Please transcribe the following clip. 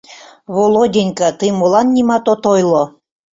— Володенька, тый молан нимат от ойло?